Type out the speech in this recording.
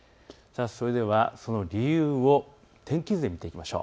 その理由を天気図で見ていきましょう。